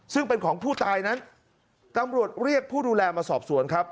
ซึ่งเป็นของผู้ตายนั้นตำรวจเรียกผู้ดูแลมาสอบสวนครับ